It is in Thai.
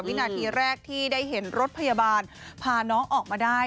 วินาทีแรกที่ได้เห็นรถพยาบาลพาน้องออกมาได้